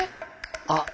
あっ！